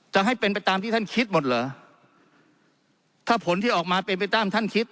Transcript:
จะให้เป็นไปตามที่ท่านคิดหมดเหรอถ้าผลที่ออกมาเป็นไปตามท่านคิด